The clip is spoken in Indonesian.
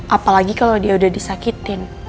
apalagi kalau dia udah disakitin